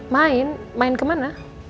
main main kemana